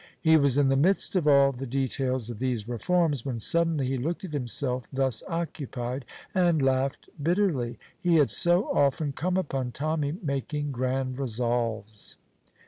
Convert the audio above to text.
He was in the midst of all the details of these reforms, when suddenly he looked at himself thus occupied, and laughed bitterly; he had so often come upon Tommy making grand resolves!